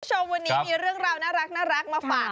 คุณผู้ชมวันนี้มีเรื่องราวน่ารักมาฝาก